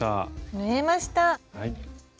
縫えました！